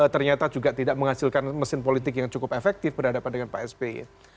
ternyata juga tidak menghasilkan mesin politik yang cukup efektif berhadapan dengan pak sby